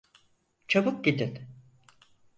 Çabuk gidin.